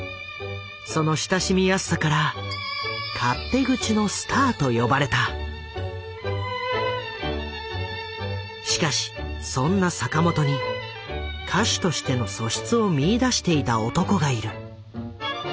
その親しみやすさからしかしそんな坂本に歌手としての素質を見いだしていた男がいる。